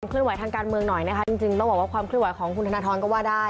เคลื่อนไหวทางการเมืองหน่อยนะคะจริงต้องบอกว่าความเคลื่อนไหวของคุณธนทรก็ว่าได้